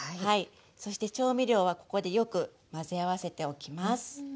そして調味料はここでよく混ぜ合わせておきます。